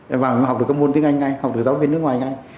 em vào mà học được các môn tiếng anh ngay học được giáo viên nước ngoài ngay